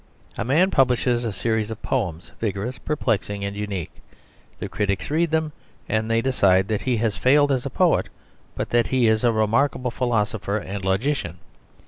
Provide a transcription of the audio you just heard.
A man publishes a series of poems, vigorous, perplexing, and unique. The critics read them, and they decide that he has failed as a poet, but that he is a remarkable philosopher and logician.